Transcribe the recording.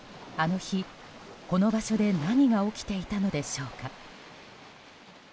あの日、この場所で何が起きていたのでしょうか。